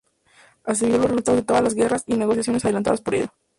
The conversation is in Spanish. Asimiló los resultados de todas las guerras y negociaciones adelantadas por ellos.